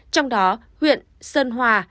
trong đó huyện sơn hòa